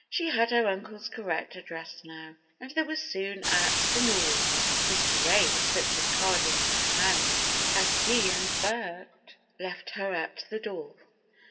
She had her uncle's correct address now, and they were soon at "The Norwood." Mr. Ray slipped his card into her hand as he and Bert left her at the door.